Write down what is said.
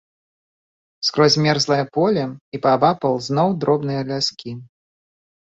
Скрозь мерзлае поле, і паабапал зноў дробныя ляскі.